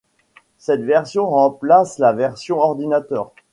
Cette version remplace la version ordinateur.